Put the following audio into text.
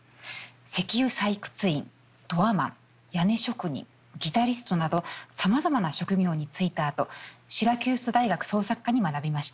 石油採掘員ドアマン屋根職人ギタリストなどさまざまな職業に就いたあとシラキュース大学創作科に学びました。